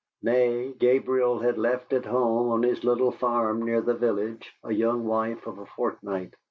Nay, Gabriel had left at home on his little farm near the village a young wife of a fortnight.